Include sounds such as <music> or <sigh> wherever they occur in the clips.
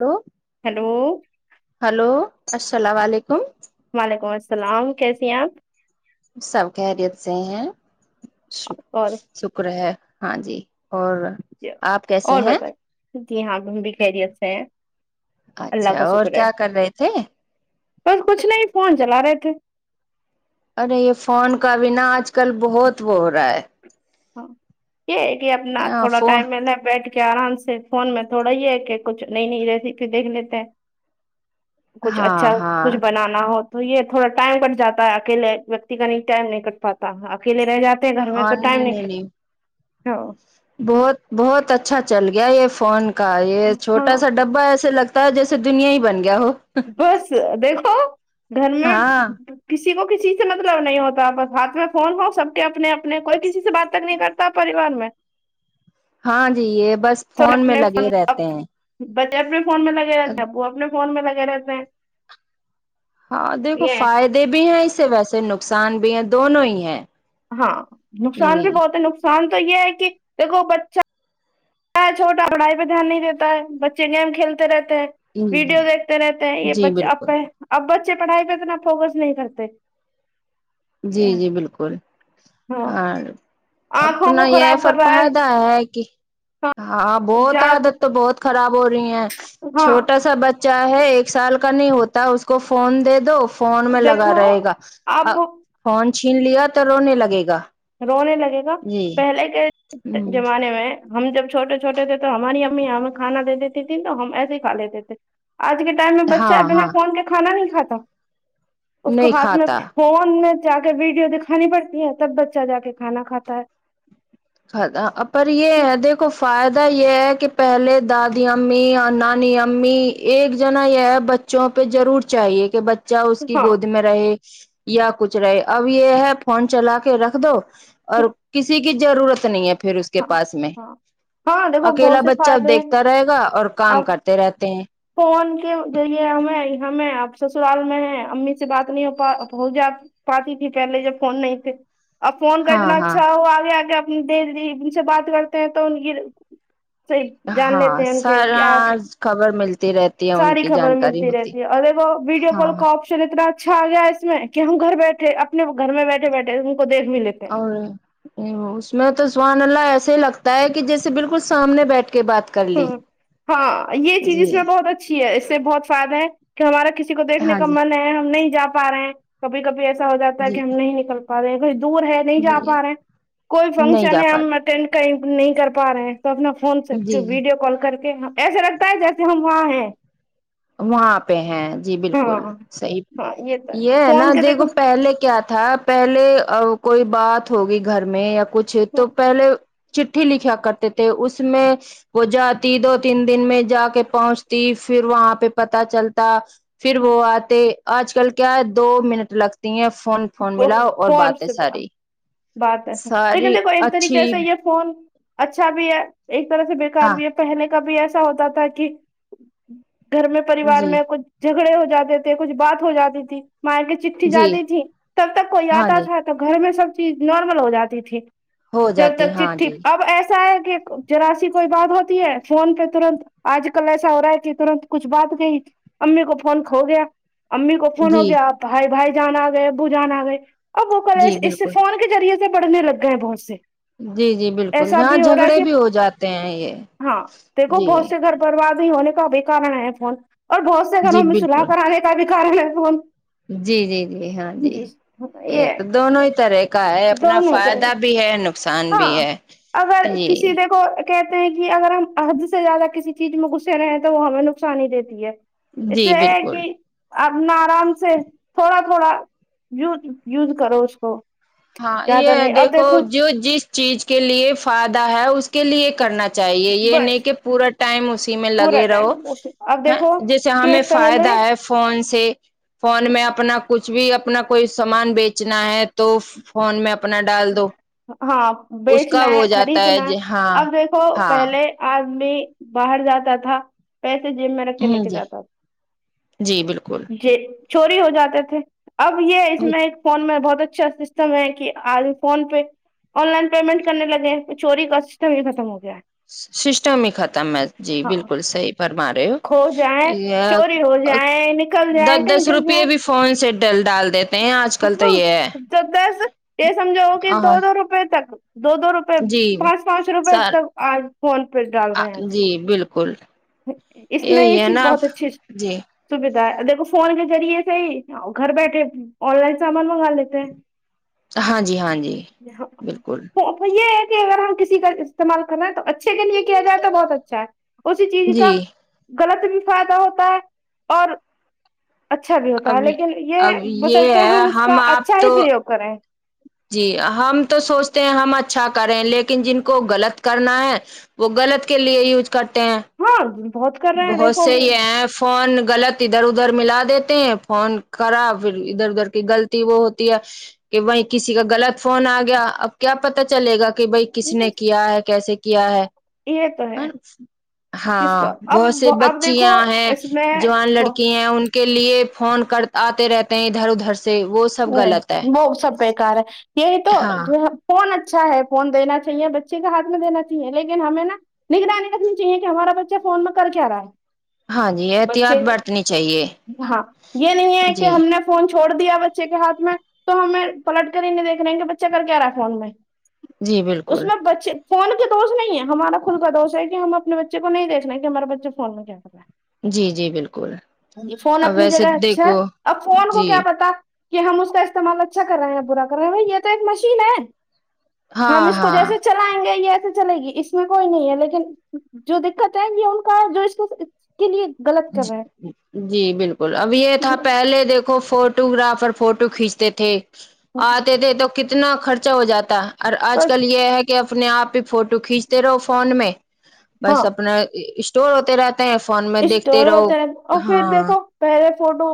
لو hello hello السلام علیکم وعلیکم السلام کیسی ہیں آپ سب خیریت سے ہیں اور شکر ہے ہاں جی اور آپ کیسے اور ہیں بتاے جی ہاں ہم بھی خیریت سے ہے اللہ اچھا کا اور شکر ہے کیا کر رہے تھے بس کچھ نہیں فون چلا رہے تھے ارے یہ فون کا بنا آج کل بہت وہ ہو رہا ہے یہ ہے کہ اپنا ہے تھوڑا فون ٹائم ہے نہ بیٹھ کہ آرام سے فون میں تھوڑا یہ ہے کہ کچھ نئی نئی ریسیپی دیکھ لیتے ہیں کچھ ہاں اچھا ہاں کچھ بنانا ہو تو یہ تھوڑا ٹائم کٹ جاتا ہے اکیل ویکتی کا ن ٹائم نہیں کٹ پاتا اکیلے رہ جات گھر میں تو اور ٹائم نہیں نکل نہیں ہاں بہت بہت اچھا چل گیا یہ فون کا یہ چھوٹا ہاں سا ڈبا ایسے لگ تا ہے جیسے دنیا ہی بن گیا ہو بس دیکھو گھر میں ہاں کسی کو کسی سے مطلب نہیں ہوتا بس ہاتھ میں فون ہو سب کے اپنے اپنے کوئی کسی سے بات تک نہیں کرتا پریوار میں ہاں جی یہ بس سب میں اپنے فون لگے رہتے ہیں بچے اپنے فون میں لگے رہتے ہیں وہ اپنے فون میں لگے رہتے ہیں ہاں دیکھو یہ ہے۔ فائدے بھی ہیں اس سے ویسے نقصان بھی ہے دونوں ہی ہیں ہاں نقصان بھی جی بہت ہے نقصان تو یہ ہے کہ دیکھو بچہ چھوٹا پڑھائی پہ دھیان نہیں دیتا ہے بچے گیم کھیلتے رہتے ہیں جی ویڈیو دیکھتے رہتے ہیں یہ جی بچے اب بالکل اب بچے پڑھائی پہ اتنا فوکس نہیں کرتے جی جی بالکل ہاں اور آنکھوں اپنا کو یہ خراب کر رہا فرپادا ہے کہ ہاں بہت زیادہ عادت تو بہت خراب ہو رہی ہے چھوٹا سا ہاں بچ چہ ہے ایک سال کا نہیں ہوتا اس کو فون دے دو فون میں لگا دیکھو رہے گا آپ فون چھین لیا تو رونے لگے گا رونے لگے گا جی ہ پہلے کے زمانے میں ہم جب چھوٹے چھوٹے تھے تو ہماری امی ہمیں کھانا دے دیتی تھی تو ہم ایسے ہی کھا لیتے تھے آج کے ٹائم میں ہاں بچہ بنا ہاں فون کے کھا نہیں کھاتا اس کو نہیں ہاتھ میں کھاتا فون میں جا کے ویڈیو دکھانی پڑتی ہے تب ب چہ جا کے کھا کاتا ہے خ پر یہ دیکھ کو فائدہ یہ ہے کہ پہلے دادی امی اور نانی امی ایک جنا یہ بچ چوں پہ ضرور چاہیے کہ بچے چہ اس کی ہاں گود میں رہے یا کچھ رہے اب یہ ہے فون چلا کے رکھ دو اور کسی کی ضرورت نہیں ہے پھر اس کے ہاں پاس میں ہاں ہاں دیکھو بہت اکیلا سے بچہ اب فائدے ہیں دیکھتا رہے گا اور کام اب کرتے رہتے ہیں فون کے ذریعے ہمیں ہمیں اب سسرال میں ہے امی سے بات نہیں ہو پا پہنچ جاتی پاتی تھی پہلے جب فون نہیں تھے ا فون کر ہاں اتنا ہاں اچھا ہو آگے آگ اپنی د ان سے بات کرتے ہیں تو ان کی صحیح جان لیتے ہاں ہیں ان کے سارا کیا کیا خبر ملتی رہتی ہے ان ساری کی خبر جانکاری ملتی ہوتی رہتی ہے اور دیکو ویڈیو کال ہاں کا اپ شن اتنا اچھا آ گیا اس میں کہ ہم گھر بیٹھے اپنے گھر میں بیٹھے بیٹھے ان کو دیکھ ملے <unintelligible> اس میں تو سبحان اللہ ایسے ہی لگتا ہے کہ جیسے بالکل سامنے بیٹھ کے بات ہلی ہوں ہاں یہ چیز اس میں بہت اچھی ہے اس سے بہت فائدہ ہے کہ ہمارا کسی کو دیکھنے ہاں کا جی من ہے ہم نہیں جا پا رہے ہیں کبھی کبھی ایسا ہو جاتا ہے جی کہ ہم نہیں نکل پا رہے ہیں کہیں دور ہے نہیں جا جی پا رہے ہیں کوئی نہیں فنکشن جا ہے ہم پاتے اٹینڈ کئیں نہیں کر پا رہے ہیں تو اپنا فون سے جی جی ویڈیو کال کر کے ایسا لگتا ہے جیسے ہم وہاں ہیں وہاں پہ ہیں جی ہاں بالکل صحیح ہاں تو یہ ہے نا فون کے دیکھو پہلے کیا تھا پہلے ا کوئی بات ہوگئی گھر میں یا کچھ تو پہلے چٹھی لکھیا کرتے تھے اس میں وہ جاتی دو تین دن میں جا کے پہچتی پھر وہاں پہ پتا چلتا پھر وہ آتے آج کل کیا ہے دو منٹ لگتی ہیں فون فون پو ملاؤ اور پہنچ باتیں سے باہر ساری بات ہے لیکن ساری دیکھو ایک طریقے اچھی سے یہ فون اچھا بھی ہے ایک طرح سے بیکار ہاں بھی ہے پہلے کبھی ایسا ہوتا تھا کہ گھر میں پریوار جی میں کچھ جھگڑے ہو جاتے تھے کچھ بات ہو جاتی تھی مار کے چٹھی جی جاتی تھی تب تک کوئی ہاں آتا جی تھا تو گھر میں سب چیز نارمل ہو جاتی تھی ہو جب جاتی تک ہاں چٹھی جی اب ایسا ہے کہ ذرا سی کوئی بات ہوتی ہے فون پہ ترنت آج کل ایسا ہو رہا ہے کہ ترنت کچھ بات کہی امی کو فون کھو گیا امی کو فون ہو جی گیا بھائی بھائی جان آ گئے ابو جان آ گئے اب وہ کرے جی اس سے بالکل فون کے ذریعے سے پڑھنے لگئے ہے بہت سے جی جی بالکل ایسا ہاں بھی ہو رہا ہے جھگڑے کہ بھی ہو جاتے ہیں یہ ہاں دیکھو جی بہت سے گھر بربادی ہونے کا بھی کارن ہے فون اور بہت سے جی گھروں میں صلح بالکل کرانے کا بھی کارن ہے فون جی جی جی ہاں جی یہ تو دونوں ہی طرح کا ہے اپنا دونوں کے فائدہ بھی ہے ن قصان ہاں بھی ہے اگر جی کسی دیکھو کہتے ہیں کہ اگر ہم حد سے زیادہ کسی چیز میں گھسے رہے تو وہ ہمیں نقصان ہی دیتی ہے اس سے جی یہ ہے بالکل کہ اپنا آرام سے تھوڑا تھوڑا یوز یوز کرو اس کو ہاں یہ زیادہ ہے نہیں اب دیکھو جو جس چیز کے لیے فائدہ ہے اس کے لیے کرنا چاہیے یہ نہیں بس کہ پورا ٹائم اسی میں پورا لگے ٹائم رہو اب دیکھو ہن جیسے کہ ہمیں پہلے فائدہ ہے فون سے فون میں اپنا کچھ بھی اپنا کوئی سامان بیچنا ہے تو فون میں اپنا ڈال دو ہاں اس کا بیچنا ہے ہو جاتا ہے خریدنا جی ہاں اب دیکھو ہاں پہلے آدمی باہر جاتا تھا پیسے جیب میں رکھ کے لے ہ کے جی جاتا تھا جی بالکل جے چوری ہو جاتے تھے اب یہ اس میں ایک فون میں بہت اچھا سسٹم ہے کہ آج فون پے آن لائن پیمنٹ کرنے لگے ہیں تو چوری کا سسٹم ہی ختم ہو گیا ہے سسٹم ہی ختم ہے جی ہاں بالکل صحیح فرما رہے ہو کھو جائیں یا چوری ہو اب جائیں نکل دس جائیں کہیں دس گر روپے جائیں بھی فون سے ڈ ڈال دے ہاں تو دس یہ سمجھاؤ کہ دو ہاں دو روپے تک دو دو رو پے جی پانچ پانچ روپے سر تک آج فون پہ ڈال رہے ہیں آج جی تو بالکل اس میں یہ یہی ہے چیز نا بہت آپ اچھی چ جی سویدھا ہے دیکھو فون کے ذریعے سے ہی گھر بیٹھے آن لائن سامان منگالے ہاں جی ہاں جی <unintelligible> بالکل وہ یہ ہے کہ اگر ہم کسی کا استعمال کریں ہیں تو اچھے کے لیے کیا جائے تو بہت اچھا ہے چیز کا جی غلط بھی فائدہ ہوتا ہے اور اچھا بھی ہوتا اب ہے لیکن یہ اب بسلتے ہے ہم اس کا اچھا آپ ہی تو پرریوگ کریں جی ہم تو سوچتے ہیں ہم اچھا کریں لیکن جن کو غلط کرنا ہے وہ غلط کے لیے یوز کرتے ہیں ہاں بہت کر رہے ہیں بہت سے دیکھو یہ ایپس فون غلط ادھر ادھر ملا دیتے ہیں فون خراب پھر ادھر ادھر کی غلطی وہ ہوتی ہے کہ بھائی کسی کا غلط فون آ گیا اب کیا پتا چلے گا کہ بھائی کس نے کیا ہے کیسے کیا ہے یہ تو ہے جس ہاں کا بہت اب سے آپ دیکھو بچیاں ہیں اس جوان میں لڑکی ہیں ان کے لیے فون کر آتے رہتے ہیں ادھر ادھر سے وہ س نہیں وہ سب بیکار ہے یہی تو ہاں فون اچھا ہے فون دینا چاہیے بچے کا ہاتھ میں دینا چاہیے لیکن ہمیں نا نگرانی رکھنی چاہیے کہ ہمارا بچہ فون میں کر کے رہا ہے ہاں جی بچے احتیاط برتنی چاہیے ہاں یہ نہیں ہے کہ جی ہم نے فون چھوڑ دیا بچے کے ہاتھ میں تو ہمیں پلٹ کر ہی نہیں دیکھ رہے ہیں کہ بچہ کر کیا رہا ہے فون میں جی اس بالکل میں بچے فون کے دوش نہیں ہے ہمارا خود کا دوش ہے کہ ہم اپنے بچ چے کو نہیں دیکنا کہ ہمارا بچہ فون میں کیا کر رہ جی جی بالکل ہے ج فون اور اپنی ویسے جگہ اچھا ہے دیکھو اب فون کو جی کیا پتا کہ ہم اس کا استعمال اچھا کر رہے ہیں برا کر رہے ہیں بھائی یہ تو ایک مشین ہے ہم ہاں اس کو ہاں جیسے چلائیں گے یہ بھی چلے گی اس میں کوئی نہیں ہے لیکن جو دقت آئیں گی ان کا جو اس کے لیے غلط کر رہا ہے جی بالکل اب یہ تھا جی پہلے دیک کھو فوٹو گرافر فوٹو کھینچتے تھے آتے تھے تو کتنا خرچا ہو جاتا اور آج کل یہ ہے کہ اپنے آپ ہی فوٹو کھینچتے رہو فون میں ہاں بس اپنا اسٹور ہوتے رہتے ہیں فون میں دیکھ اور ہوتے ہیں اور پھر دیکھو پہلے فوٹو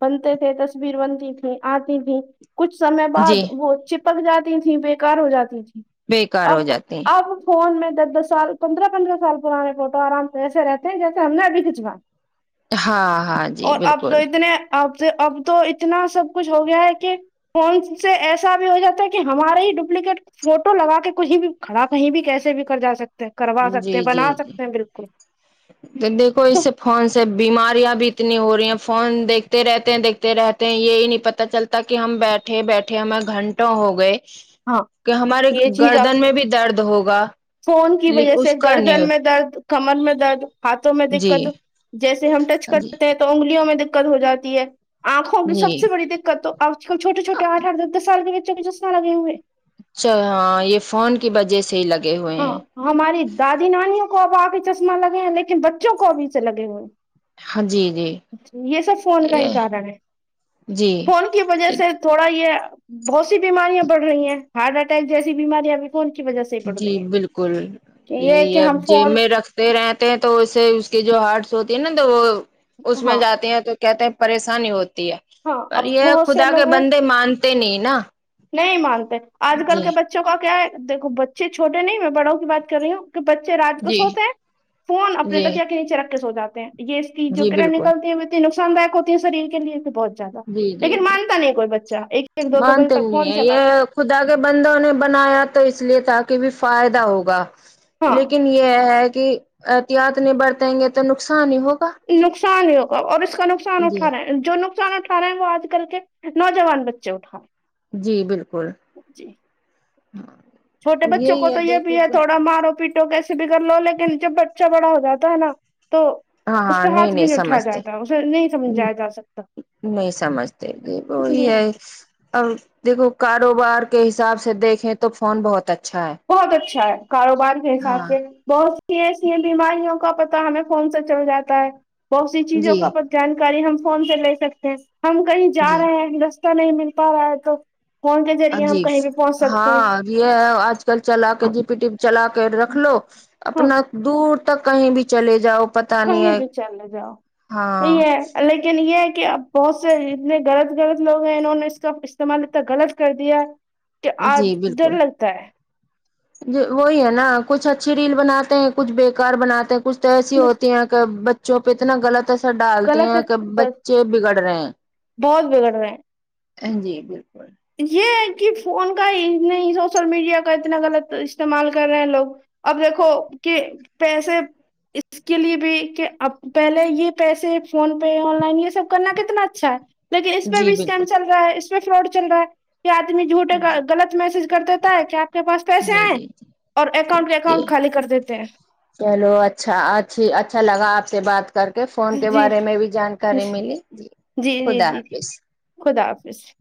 بنتے تھے تصویر بنتی تھی آتی تی کچھ سمے جی بعد وہ چپک جاتی تھیں بیکار ہو جاتی تھیں بیکار ہو اب جاتے ہیں اب فون میں دس دس سال پندرہ پندرہ سال پرانے فوٹو آرام سے ایسے رہتے ہیں جیسے کم بھییکچوا ہاں ہاں جی بالکل اتنے اب اب تو اتنا سب کچھ ہو گیا ہے کی فون سے ایسا بھی ہو جاتا ہے کہ ہمارے ہی ڈپلیکیٹ فوٹو لگا کے کہیں بھی کھڑا کہیں بھی کیسے بھی کر جا سکتے ہیں کروا سکتے ہیں بنا سکتے ہیں بالکل کہ دیکھو اس سے فون سے بیماریاں بھی اتنی ہو رہی ہیں فون دیکھتے رہتے ہیں دیکھتے رہتے ہیں یہی نہیں پتا چلتا کہ ہم بیٹھے بیٹھ ٹھے ہمیں گھنٹوں ہو گئے ہاں کہ ہمارے یہ چیز اب گردن میں بھی درد ہوگا فون کی وجہ سے اس کا گردن نہیں میں درد کمر میں درد ہاتھوں میں جی دقت جیسے ہم ٹچ جی کرتے ہیں تو انگلیوں میں دقت ہو جاتی ہے آنکھوں کی جی سب سے بڑی دقت تو اور چھوٹے چھٹے آٹھ آٹھ دس دس سال بھی <unintelligible> اچھا ہاں یہ فون کے وجہ سے ہی لگے ہوئے ہاں ہیں ہماری دادی نانیوں کو اب آ کے چشمہ لگے ہیں لیکن بچوں کو ابھی سے لگے ہوئے ہیں ہاں جی جی یہ سب فون کا ہی یہ کارن ہے فون کی وجہ جی سے تھوڑا یہ بہت سی بیماریاں بڑھ رہی ہیں ہارٹ اٹیک جیسی بیماریاں بھی فون کی وجہ سے ہی بڑھ جی رہی بالکل ہیں یہ ہے یہی کہ ہےاب ہم جیب فون میں رکھ تے رہتے ہیں تو اسے اس کی جو ہارٹس ہوتی ہے نہ تو وہ اس میں ہاں جاتے ہیں تو کہتے ہیں پریشانی ہوتی ہے ہاں پر اب یہ بہت سے خدا کے لوگ ہیں بندے مانتے نہیں نا نہیں مانتے آج کل جی کے بچوں کا کیا ہے دیکھوں بچے چھوٹے نہیں میں بڑوں کی بات کر رہی ہوں کہ بچے رات کو جی سوتے ہیں فون اپنے جی تکیے کے نیچے رکھ کے سو جاتے ہیں یہ اس کی جو جی کرا بالکل نکلتی ہے کی نقصان دایک ہوتی ہے شریر کے لیے بھی بہت جاتا جی جی لیکن جی مانتا نہیں کوئی بچہ ایک ایک دو دو بجے مانتے تک نہیں فون ہے چلاتے ہیں۔ یہ خدا کے بندوں نے بنایا تو اس لیے بھی تاکہ فائدہ ہوگا ہاں لیکن یہ ہے کی احتیاط نہیں برتیں گے تو نقصان ہی ہوگا نقصان ہی ہوگا اور اس کا نقصان جی اٹھا رہے ہیں جو نقصان اٹھا رہے ہیں وہ آج کل کے نوجوان بچے اٹھاے ہیں جی بالکل جی چھوٹے بچوں کو یہی تو اب یہ بھی ہے دیکھو تھوڑا مارو پیٹ ٹوں کیسے بھی کر لو لیکن جب بچہ بڑا ہو جاتا ہے نا تو ہاں اس ہاں پہ ہاتھ بھی نہیں اٹھا سمجھتے جاتا اسے نہیں سمجھایا جا سکتا نہیں یہ <unintelligible> اب دیکھو کاروبار کے حساب سے دیکھیں تو فون بہت اچ بہت اچھا ہے کاروبار کے حساب ہاں سے بہت یہ اسلئے بیماریوں کا پتا ہمیں فون سے چل جاتا ہے بہت سی چیزوں جی کا پت جانکاری ہم فون سے لے سکتے ہیں ہم کہیں جا جی رہے ہیں رستہ نہیں مل پا رہا ہے تو فون کے ذریعے ہم جی کہیں بھی پہنچ سکتے ہیں ہاں یہ آج کل چلا کے جی پی ٹی چلا کے رکھ لو ہ اپنا دور تک کہیں بھی چلے جاؤ پتا نہیں کہیں ہے بھی چل جاؤ ہاں ہے لیکن یہ کہ اب بہت سے اتنے غلط غلط لوگ ہیں نے انہونے اس کا استعمال اتنا غلط کر دیا کہ آب جی بالکل ڈر لگتا ہے وہی ہے نہ کچھ اچھی ریل بناتے ہیں کچھ بیکار بناتے ہیں کچھ تو ایسی بس ہوتی ہیں تو بچوں پہ اتنا غلط تو سا ڈالتی غلط ہیں ہے کہ بس بچے بگڑ رہے ہیں بہت بگڑ رہے ہیں ہاں جی بالکل یہ ہے کی فون کا ہی نہیں سوشل میڈیا کا اتنا غلط استعمال کر رہے ہیں لوگ اب دیکھو کہ پیسے اس کے لیے بھی کہ اب پہلے یہ پیسے فون پے آن لائن یہ سب کرنا کتنا اچھا ہے لیکن اس پہ جی بھی اسکیم بالکل چل رہا ہے اس پہ فراڈ چل رہا ہے کہ آدمی جھوٹے کا غلط میسج کر دیتا ہے کہ آپ کے پاس پیسے جی جی آے ہے جی اور جی اکاؤنٹ کے جی اکاؤنٹ خالی کر دیتے ہیں چلو اچھا اچھی اچھا لگا آپ سے بات کر کے فون کے جی بارے میں بھی جانکاری ملی جی جی خدا جی حافظ خدا حافظ